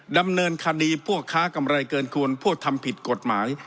ดำเนินคดีพวกค้ากำไรเกินควรพวกทำผิดกฎหมาย